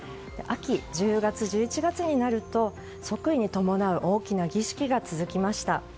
秋、１０月、１１月になると即位に伴う大きな儀式が続きました。